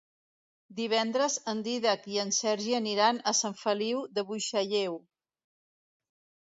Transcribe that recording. Divendres en Dídac i en Sergi aniran a Sant Feliu de Buixalleu.